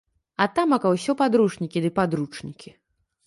А тамака ўсё падручнікі ды падручнікі.